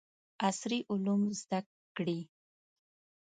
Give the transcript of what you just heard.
عصري علوم زده کړي.